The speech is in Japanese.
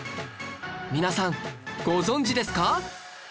皆さんご存じですか？